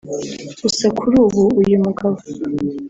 Gusa kuri ubu uyu mugabo